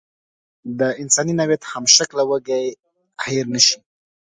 د انساني نوعیت همشکله وږی هېر نشي.